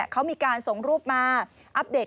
เขามีการส่งรูปมาอัปเดต